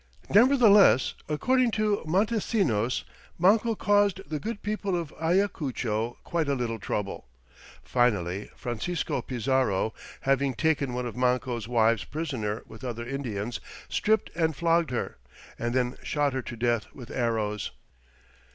Nevertheless, according to Montesinos, Manco caused the good people of Ayacucho quite a little trouble. Finally, Francisco Pizarro, "having taken one of Manco's wives prisoner with other Indians, stripped and flogged her, and then shot her to death with arrows."